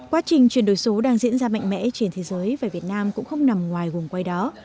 quá trình chuyển đổi số đang diễn ra mạnh mẽ trên thế giới và việt nam cũng không nằm ngoài gồm quay đó